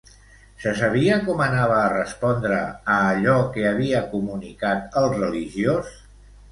Se sabia com anava a respondre a allò que havia comunicat el religiós?